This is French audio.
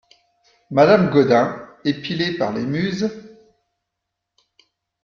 Madame Gaudin Épilé par les muses !